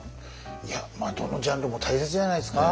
いやどのジャンルも大切じゃないですか？